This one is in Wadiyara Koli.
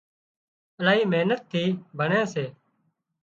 الاهي محنت ٿِي ڀڻي سي